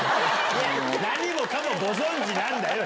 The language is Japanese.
何もかもご存じなんだよ！